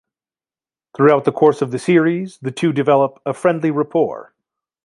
Throughout the course of the series, the two develop a friendly rapport.